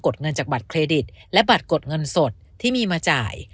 ดเงินจากบัตรเครดิตและบัตรกดเงินสดที่มีมาจ่าย